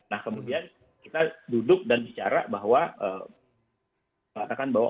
nah kemudian kita duduk dan bicara bahwa